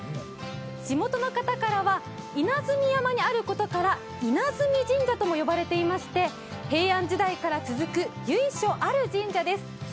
地元の方からは稲積山にあることから、稲積神社とも呼ばれていまして平安時代から続くゆいしょある神社です。